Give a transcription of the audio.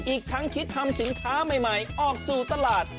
อีกทั้งคิดทำสินค้าใหม่ออกสู่ตลาด